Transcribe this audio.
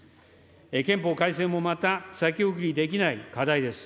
憲法改正もまた先送りできない課題です。